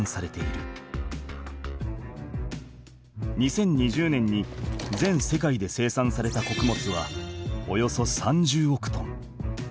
２０２０年に全世界で生産されたこくもつはおよそ３０億トン。